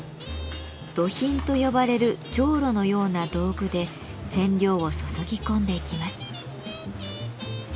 「どひん」と呼ばれるじょうろのような道具で染料を注ぎ込んでいきます。